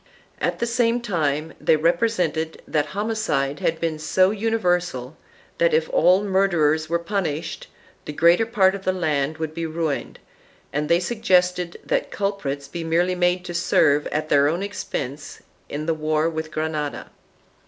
At the same time they represented that homicide had been so universal that, if all murderers were pun ished, the greater part of the land would be ruined, and they suggested that culprits be merely made to serve at their own expense in the war with Granada.